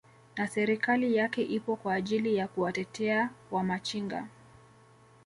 na serikali yake ipo kwa ajili ya kuwatetea wa machinga